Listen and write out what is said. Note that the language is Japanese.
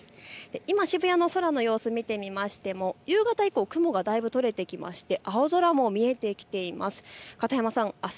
今、渋谷の空の様子を見てみましても夕方以降、雲がだいぶ取れてきて青空も見えてきています。